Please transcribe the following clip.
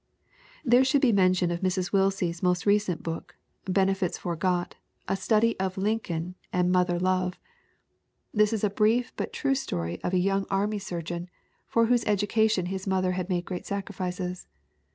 There should be mention of Mrs. Willsie's most re cent book, Benefits Forgot: A Study of Lincoln and 352 THE WOMEN WHO MAKE OUR NOVELS Mother Love. This is a brief but true story of a young army surgeon for whose education his mother had made great sacrifices.